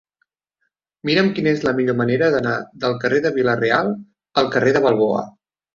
Mira'm quina és la millor manera d'anar del carrer de Vila-real al carrer de Balboa.